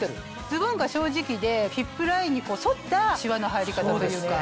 ズボンが正直でヒップラインに沿ったしわの入り方というか。